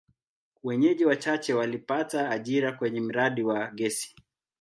Wenyeji wachache walipata ajira kwenye mradi wa gesi.